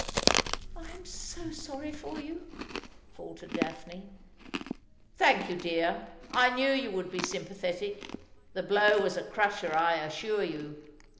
' I am so sorry for you,' faltered Daphne. ' Thank you, dear. I knew you would be sympathetic. The blow was a crusher, I assure you.